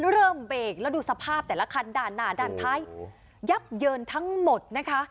เริ่มเบรกแล้วดูสภาพแต่ละคันด้านหน้าด้านท้ายยับเยินทั้งหมดนะคะ